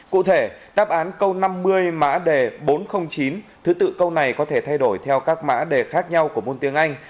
cụ thể đáp án câu năm mươi mã đề bốn trăm linh chín thứ tự câu này có thể thay đổi theo các mã đề khác nhau của môn tiếng anh